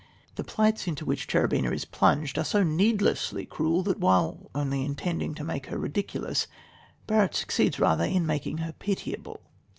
The plights into which Cherubina is plunged are so needlessly cruel, that, while only intending to make her ridiculous, Barrett succeeds rather in making her pitiable.